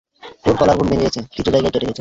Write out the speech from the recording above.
ওর collarbone ভেঙে গেছে, কিছু জায়গায় কেটে গেছে।